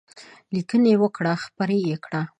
لیکنې وکړه خپرې یې کړه.